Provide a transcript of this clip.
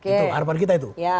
itu harapan kita itu